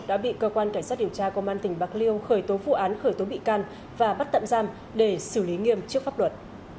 đã bị cơ quan cảnh sát điều tra công an tỉnh bạc liêu khởi tố vụ án khởi tố bị can và bắt tạm giam để xử lý nghiêm trước pháp luật